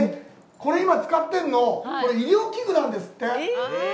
これ、今、使ってるのは、これ医療器具なんですって。